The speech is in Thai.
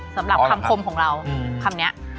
สำหรับคำคมของเราคำนี้